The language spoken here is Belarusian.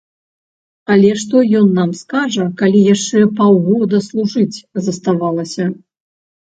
Але што ён нам скажа, калі яшчэ паўгода служыць заставалася.